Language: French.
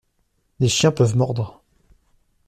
Les chiens peuvent mordre.